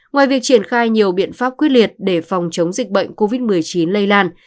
ngoài việc triển khai nhiều biện pháp quyết liệt để phòng chống dịch bệnh covid một mươi chín lây lan